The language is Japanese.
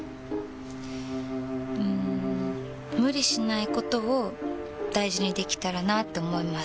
うん無理しないことを大事にできたらなって思います。